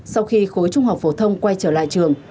sau khi khối trung học phổ thông quay trở lại trường